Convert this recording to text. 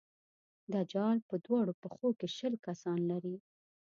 دجال په دواړو پښو کې شل کسان لري.